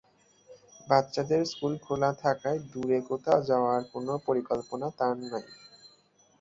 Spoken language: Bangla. বাচ্চাদের স্কুল খোলা থাকায় দূরে কোথাও যাওয়ার কোনো পরিকল্পনা তার নাই।